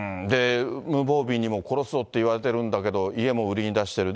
無防備にも殺すぞって言われてるけれど、家も売りに出してる。